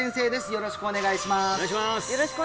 よろしくお願いします